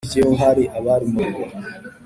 kumunsi wakurikiyeho hari abari mu biro